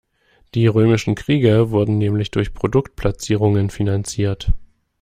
Die römischen Kriege wurden nämlich durch Produktplatzierungen finanziert.